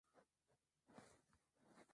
Tovuti ya swahilipot inaelimisha